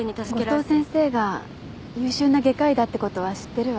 五島先生が優秀な外科医だってことは知ってるわ。